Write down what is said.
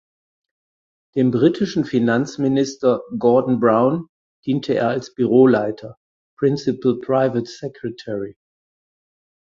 Dem britischen Finanzminister Gordon Brown diente er als Büroleiter ("Principal Private Secretary").